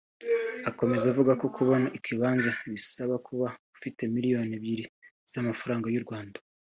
Akomeza avuga ko kubona ikibanza bisaba kuba ufite miliyoni ebyiri z’amafaranga y’u Rwanda